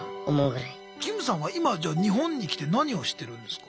キムさんは今じゃあ日本に来て何をしてるんですか？